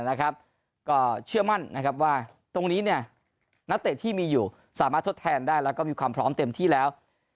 นะครับก็เชื่อมั่นว่าว่าตรงนี้เนี่ยนักเตะที่มีอยู่สามารถทดแทนได้แล้ว